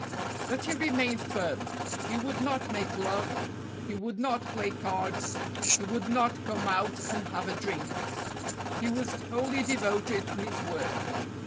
But he remained firm. He would not make love; he would not play cards; he would not come out and have a drink ; he was wholly devoted to his work.